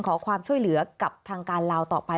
ขอความช่วยเหลือกับทางการลาวต่อไป